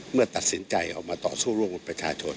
เมื่อตัดสินใจออกมาต่อสู้ร่วมกับประชาชน